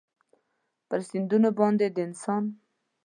پر سیندونو باندې د انسان